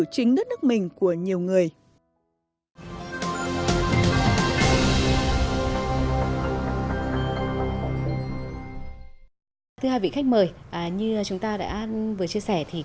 chính đất nước mình của nhiều người